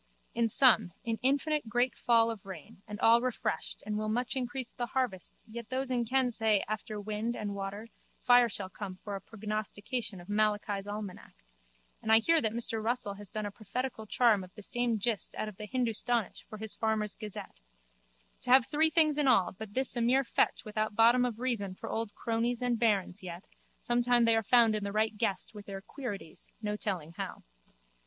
In sum an infinite great fall of rain and all refreshed and will much increase the harvest yet those in ken say after wind and water fire shall come for a prognostication of Malachi's almanac (and I hear that Mr Russell has done a prophetical charm of the same gist out of the Hindustanish for his farmer's gazette) to have three things in all but this a mere fetch without bottom of reason for old crones and bairns yet sometimes they are found in the right guess with their queerities no telling how.